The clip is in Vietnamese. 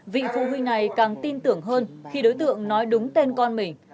vị phụ huynh này càng tin tưởng hơn khi đối tượng nói đúng tên con mình